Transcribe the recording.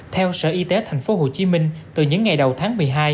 theo sở y tế tp hcm từ những ngày đầu tháng một mươi hai